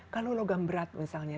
kalau logam berat misalnya